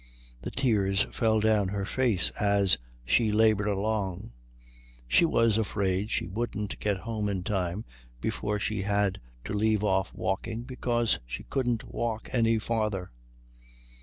The tears fell down her face as she laboured along. She was afraid she wouldn't get home in time before she had to leave off walking because she couldn't walk any farther.